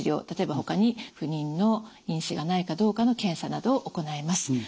例えばほかに不妊の因子がないかどうかの検査などを行います。